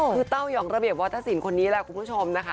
คือเต้ายองระเบียบวัฒนศิลป์คนนี้แหละคุณผู้ชมนะคะ